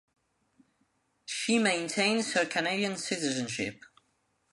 She maintains her Canadian citizenship.